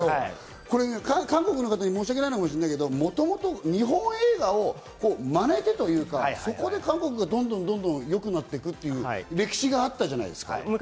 僕が何を言いたいかというと韓国の方に申し訳ないかもしれないけど、元々、日本映画をまねてというか、そこで韓国がどんどん良くなっていくという歴史があったじゃないですか。